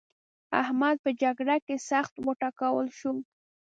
احمد په جګړه کې سخت وټکول شو.